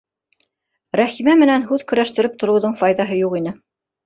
Рәхимә менән һүҙ көрәштереп тороуҙың файҙаһы юҡ ине.